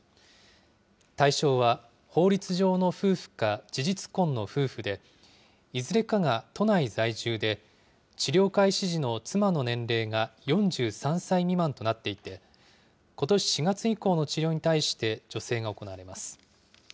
対象は、法律上の夫婦か事実婚の夫婦で、いずれかが都内在住で、治療開始時の妻の年齢が４３歳未満となっていて、ことし４月以降の治療に対して助成が行われます。